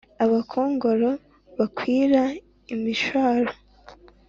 abakongoro bakwira imishwaro.